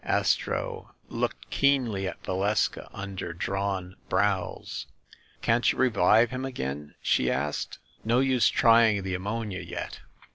Astro looked keenly at Valeska under drawn brows. "Can't you revive him again ?" she asked. "No use trying the ammonia yet.